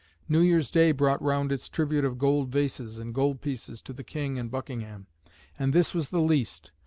New Year's Day brought round its tribute of gold vases and gold pieces to the King and Buckingham. And this was the least.